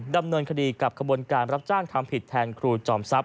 ดำเนินคดีกับขบวนการรับจ้างทำผิดแทนครูจอมทรัพย